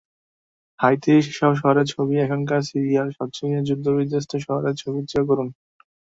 হাইতির সেসব শহরের ছবি এখনকার সিরিয়ার সবচেয়ে যুদ্ধবিধ্বস্ত শহরের ছবির চেয়েও করুণ।